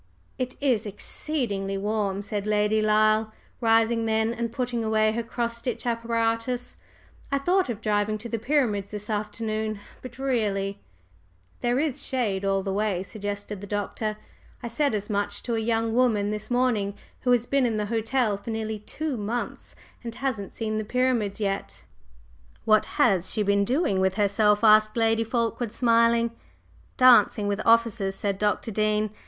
"It is exceedingly warm," said Lady Lyle, rising then and putting away her cross stitch apparatus, "I thought of driving to the Pyramids this afternoon, but really …" "There is shade all the way," suggested the Doctor, "I said as much to a young woman this morning who has been in the hotel for nearly two months, and hasn't seen the Pyramids yet." "What has she been doing with herself?" asked Lady Fulkeward, smiling. "Dancing with officers," said Dr. Dean.